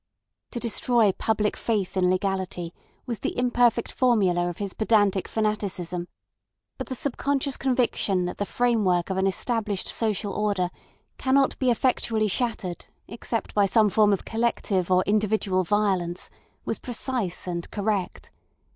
To destroy public faith in legality was the imperfect formula of his pedantic fanaticism; but the subconscious conviction that the framework of an established social order cannot be effectually shattered except by some form of collective or individual violence was precise and correct.